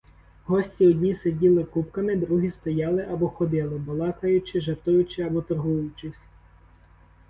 Гості одні сиділи купками, другі стояли або ходили, балакаючи, жартуючи або торгуючись.